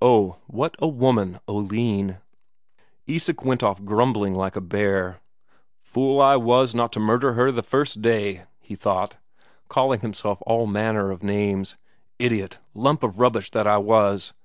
Oh, that woman Oline! Isak went off grumbling like a bear. "Fool I was not to murder her the first day!" he thought, calling himself all manner of names. "Idiot, lump of rubbish that I was!